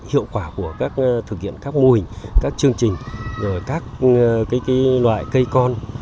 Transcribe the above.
hiệu quả của các thực hiện các mô hình các chương trình các loại cây con